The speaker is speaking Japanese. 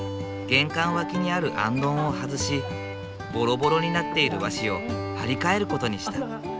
玄関脇にあるあんどんを外しボロボロになっている和紙を張り替える事にした。